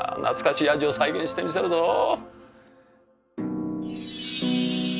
懐かしい味を再現してみせるぞ！